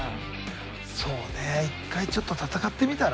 そうね一回ちょっと戦ってみたら？